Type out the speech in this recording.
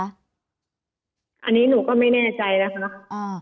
อันนี้หนูก็ไม่แน่ใจนะคะ